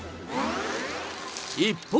一方。